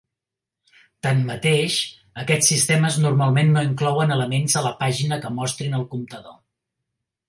Tanmateix, aquests sistemes normalment no inclouen elements a la pàgina que mostrin el comptador.